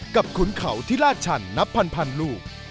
กับขุนเข่าที่ราชันนับพันลูก